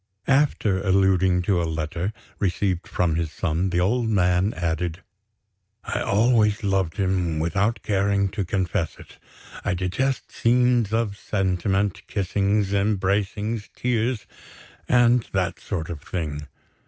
After alluding to a letter, received from his son, the old man added: "I always loved him, without caring to confess it; I detest scenes of sentiment, kissings, embracings, tears, and that sort of thing.